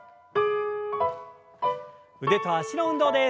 腕と脚の運動です。